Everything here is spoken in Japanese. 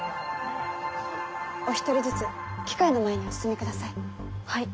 お一人ずつ機械の前にお進みください。